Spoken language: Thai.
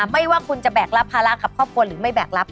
ไม่ว่าคุณจะแบกรับภาระกับครอบครัวหรือไม่แบกรับ